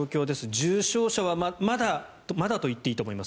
重症者はまだと言っていいと思います